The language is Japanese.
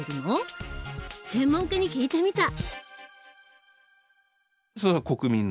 専門家に聞いてみた。